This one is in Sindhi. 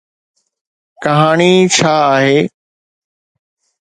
ڪهاڻي ڇا آهي؟